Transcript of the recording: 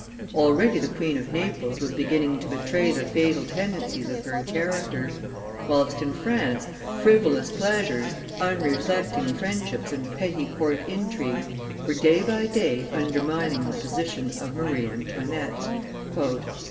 Already the Queen of Naples was beginning to betray the fatal tendencies of her character; whilst, in France, frivolous pleasures, unreflecting friendships, and petty court intrigues were day by day undermining the position of Marie Antoinette.